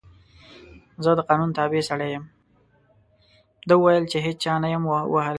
ده وویل چې هېچا نه یم ووهلی.